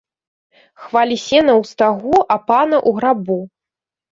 Хвалі сена ў стагу, а пана ў грабу